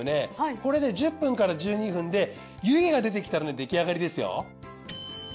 これで１０分から１２分で湯気が出てきたらね出来上がりですよ。